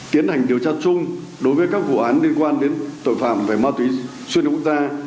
tiến hành điều tra chung đối với các vụ án liên quan đến tội phạm về ma túy xuyên quốc gia